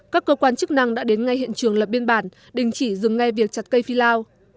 các cơ quan chức năng đã đến ngay hiện trường lập biên bản đình chỉ dừng ngay việc chặt cây phi lao